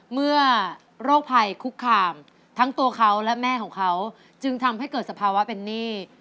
โรคภัยคุกคามทั้งตัวเขาและแม่ของเขาจึงทำให้เกิดสภาวะเป็นหนี้